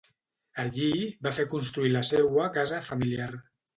Allí va fer construir la seua casa familiar.